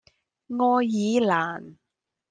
愛爾蘭